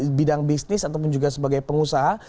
di bidang bisnis ataupun juga sebagai pengusaha